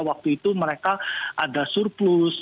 waktu itu mereka ada surplus